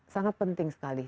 sangat penting sekali